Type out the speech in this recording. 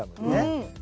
うん。